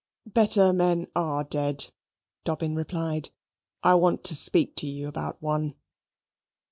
"Better men ARE dead," Dobbin replied. "I want to speak to you about one."